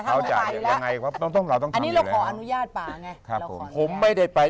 อันนี้เราขออนุญาตป๊าไง